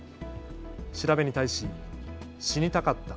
調べに対し、死にたかった。